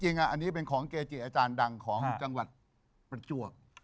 จริงอันนี้เป็นของเกจิอาจารย์ดังของจังหวัดประจวบ